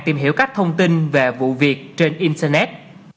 tìm hiểu các thông tin về vụ việc trên internet